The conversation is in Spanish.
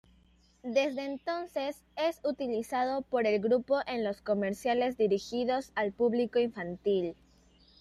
Desde entonces es utilizado por el grupo en los comerciales dirigidos al público infantil.